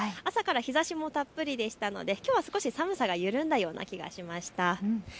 朝から日ざしもたっぷりでしたので、きょうは少し寒さが緩んだような気がしました。